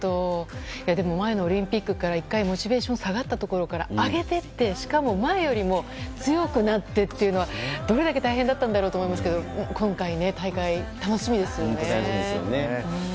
でも、前のオリンピックで１回モチベーションが下がったところから上げていって、しかも前よりも強くなってというのはどれだけ大変だったんだろうと思いますが今回の大会楽しみですよね。